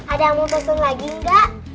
ada yang mau susun lagi enggak